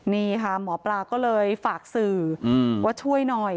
นี่ค่ะหมอปลาก็เลยฝากสื่อว่าช่วยหน่อย